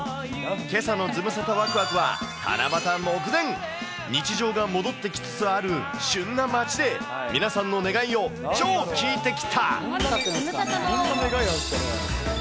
けさのズムサタわくわくは、七夕目前、日常が戻ってきつつある、旬な街で皆さんの願いを超聞いてきた。